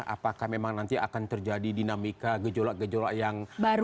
apakah memang nanti akan terjadi dinamika gejolak gejolak yang baru